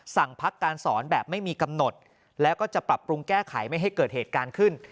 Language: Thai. สั่งพักการสอนแบบไม่มีกำหนดแล้วก็จะปรับปรุงแก้ไขไม่ให้เกิดเหตุการณ์ขึ้น